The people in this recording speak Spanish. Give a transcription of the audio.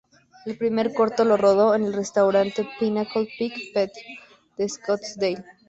El primer corto lo rodó en el restaurante Pinnacle Peak Patio, en Scottsdale.